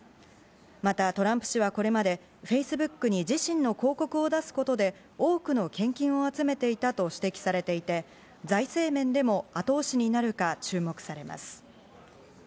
またトランプ氏はこれまで、フェイスブックに自身の広告を出すことで、多くの献金を集めていたと指摘されていて、財政面でも後押しになるか注目されます。